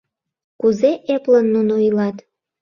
Кузе эплын нуно илат!